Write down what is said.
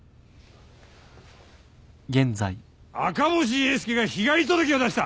赤星栄介が被害届を出した。